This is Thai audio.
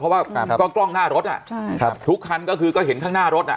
เพราะว่าก็กล้องหน้ารถอ่ะใช่ครับทุกคันก็คือก็เห็นข้างหน้ารถอ่ะ